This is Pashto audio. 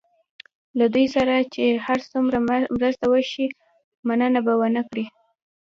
له دوی سره چې هر څومره مرسته وشي مننه به ونه کړي.